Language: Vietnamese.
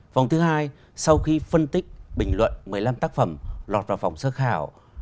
vòng thứ hai sau khi phân tích bình luận một mươi năm tác phẩm lọt vào vòng sơ khảo